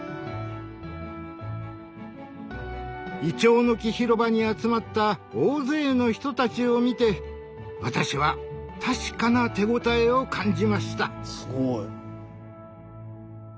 いちょうの木広場に集まった大勢の人たちを見て私は確かな手応えを感じました。